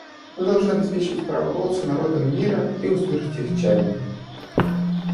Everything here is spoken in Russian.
Мы должны обеспечить право голоса народам мира и услышать их чаяния.